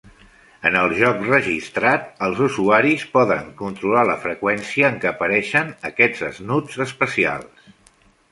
En el joc registrat, els usuaris poden controlar la freqüència en què apareixen aquests Snoods especials.